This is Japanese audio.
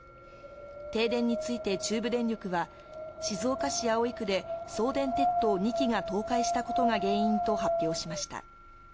停電について中部電力は、静岡市葵区で送電鉄塔２基が倒壊したことが原因と発表しました。